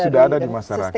sudah ada di masyarakat